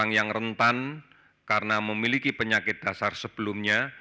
orang yang rentan karena memiliki penyakit dasar sebelumnya